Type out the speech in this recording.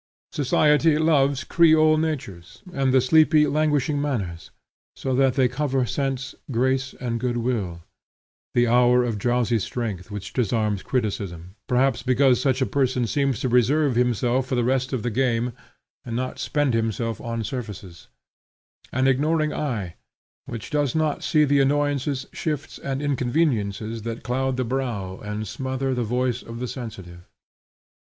Society loves creole natures, and sleepy languishing manners, so that they cover sense, grace and good will: the air of drowsy strength, which disarms criticism; perhaps because such a person seems to reserve himself for the best of the game, and not spend himself on surfaces; an ignoring eye, which does not see the annoyances, shifts, and inconveniences that cloud the brow and smother the voice of the sensitive.